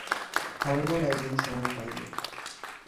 হরলাল একদিন সময় পাইল ।